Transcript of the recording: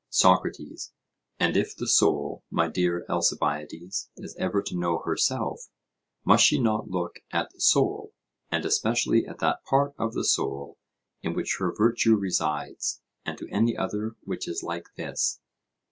SOCRATES: And if the soul, my dear Alcibiades, is ever to know herself, must she not look at the soul; and especially at that part of the soul in which her virtue resides, and to any other which is like this?